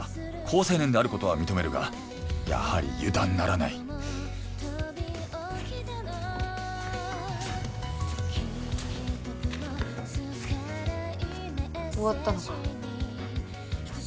好青年であることは認めるがやはり油断ならない終わったのか？